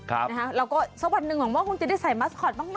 แล้วก็สักวันหนึ่งหาความมั่วคงจะได้ใส่มัสคอตต้องเนอะ